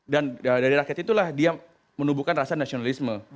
dan dari rakyat itulah dia menubuhkan rasa nasionalisme